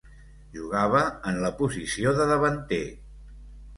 Jugava en la posició de davanter.